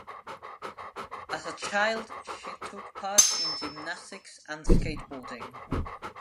As a child she took part in gymnastics and skateboarding.